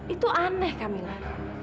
itu aneh kamilah